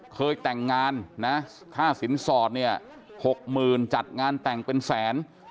เคยแต่งงานนะค่าสินสอดเนี่ย๖๐๐๐จัดงานแต่งเป็นแสน